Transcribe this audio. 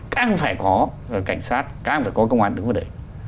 càng phải có cảnh sát càng phải có công an đứng vào đấy